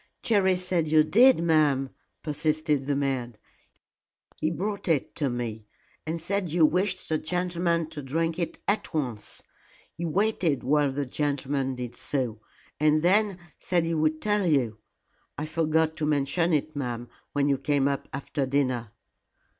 "Jerry said you did, ma'am," persisted the maid; "he brought it to me, and said you wished the gentleman to drink it at once. He waited while the gentleman did so, and then said he would tell you. I forgot to mention it, ma'am, when you came up after dinner."